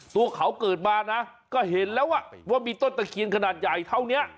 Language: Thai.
ตัวเขาเกิดมานะก็เห็นแล้วว่ามีต้นตะเคียนขนาดใหญ่เท่านี้